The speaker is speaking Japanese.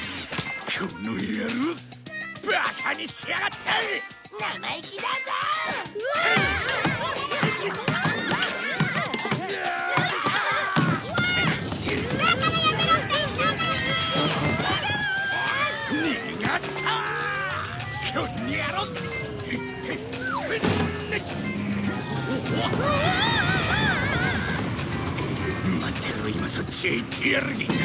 待ってろ今そっちへ行ってやる。